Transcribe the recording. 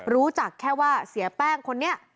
รู้จักแค่ว่าเสียแป้งคนนี้